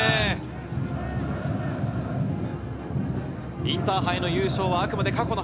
インターハイへの優勝はあくまで過去の話。